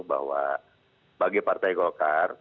bahwa bagi partai golkar